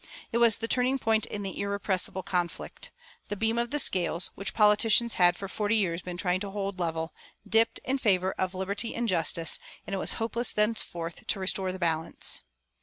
It was the turning point in the "irrepressible conflict." The beam of the scales, which politicians had for forty years been trying to hold level, dipped in favor of liberty and justice, and it was hopeless thenceforth to restore the balance.